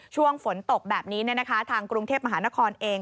ช่วงฝนตกแบบนี้ทางกรุงเทพมหานครเอง